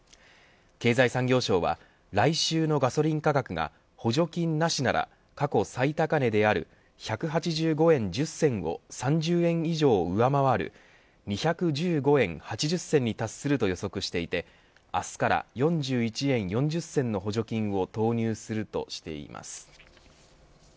経済産業省は来週のガソリン価格が補助金なしなら過去最高値である１８５円１０銭を３０円以上上回る２１５円８０銭に達すると予測していて明日から４１円４０銭の補助金を投入するとしています。